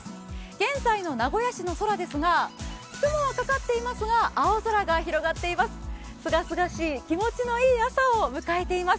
現在の名古屋市の空ですが、雲はかかっていますが、青空が広がっています。